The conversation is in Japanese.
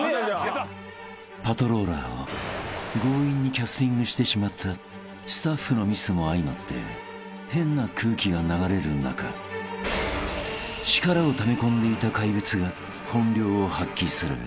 ［パトローラーを強引にキャスティングしてしまったスタッフのミスも相まって変な空気が流れる中力をため込んでいた怪物が本領を発揮する］